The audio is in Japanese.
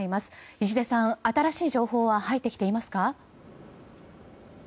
石出さん、新しい情報は入ってきていますか？